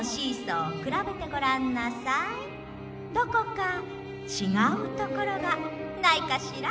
どこかちがうところがないかしら？」。